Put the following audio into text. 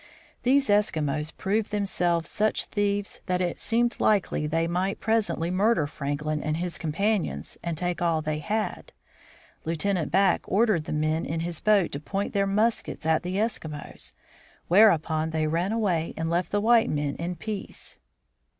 These Eskimos proved themselves such thieves that it seemed likely that they might presently murder Franklin and his companions and take all they had. Lieutenant Back ordered the men in his boat to point their muskets at the Eskimos ; where upon they ran away and left the white men in peace.